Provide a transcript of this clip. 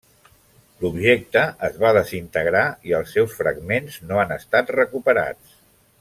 L'objecte es va desintegrar i els seus fragments no han estat recuperats.